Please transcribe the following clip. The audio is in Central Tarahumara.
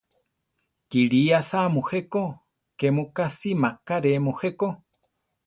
Kilí asá mujé ko; ke mu ka si maká rʼe mujé ko.